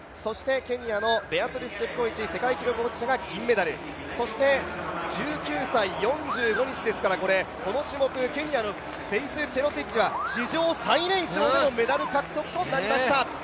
ケニアのベアトリス・チェプコエチ世界記録保持者が銀メダル１９歳４５日ですから、この種目、ケニアのフェイス・チェロティッチは史上最年少でのメダル獲得となりました。